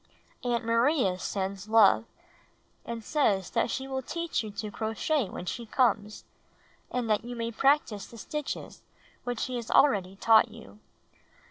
Aunt Maria sends love and says that she will teach you to crochet when she comes — and that you may prac tice the stitches which she has already taught you.